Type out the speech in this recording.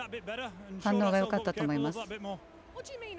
反応がよかったと思います。